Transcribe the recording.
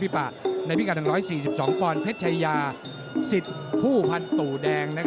เพชอยา๑๐กว้านตู่แดง